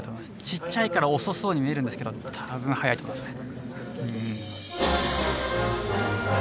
ちっちゃいから遅そうに見えるんですけど多分速いと思いますね。